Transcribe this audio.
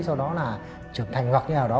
sau đó là trở thành hoặc như nào đó